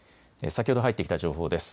先ほど入ってきた情報です。